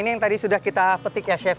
ini yang tadi sudah kita petik ya chef